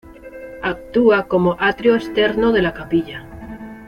Actúa como atrio externo de la capilla.